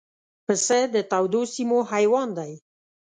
پسه د تودو سیمو حیوان دی.